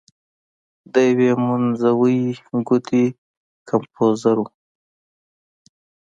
د یوې منځوۍ ګوتې کمپوزر و.